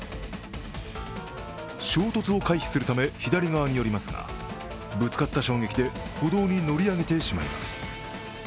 衝突を回避するため左側に寄りますがぶつかった衝撃で歩道に乗り上げてしまいます。